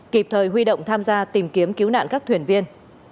kịp thời huy động tham gia tìm kiếm cứu nạn các thuyền viên